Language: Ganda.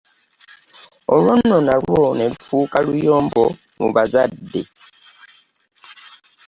Olwo no nalwo ne lufuuka luyombo mu bazadde.